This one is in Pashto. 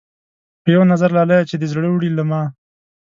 پۀ يو نظر لاليه چې دې زړۀ وړے له ما